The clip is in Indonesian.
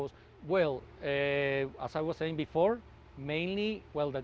seperti yang saya katakan sebelumnya